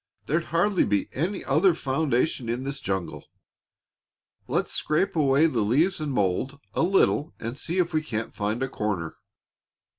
"There'd hardly be any other foundation in this jungle. Let's scrape away the leaves and mold a little and see if we can't find a corner."